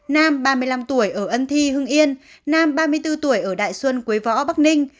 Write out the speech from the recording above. nam ba mươi năm tuổi ở ân thi hương yên nam ba mươi bốn tuổi ở đại xuân quế võ bắc ninh